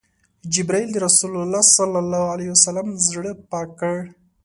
جبرئیل د رسول الله ﷺ زړه پاک کړ.